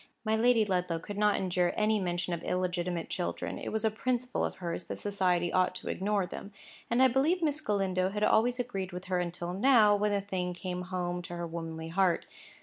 My Lady Ludlow could not endure any mention of illegitimate children. It was a principle of hers that society ought to ignore them. And I believe Miss Galindo had always agreed with her until now, when the thing came home to her womanly heart.